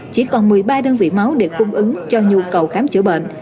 chỉ còn một mươi ba đơn vị máu để cung ứng cho nhu cầu khám chữa bệnh